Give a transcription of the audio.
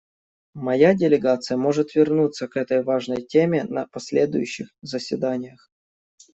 Моя делегация может вернуться к этой важной теме на последующих заседаниях.